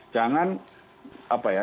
jangan apa ya